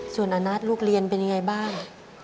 ส่วนอนัทลูกเรียนเป็นยังไงบ้าง